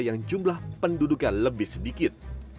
yang jumlah penduduknya lebih sedikit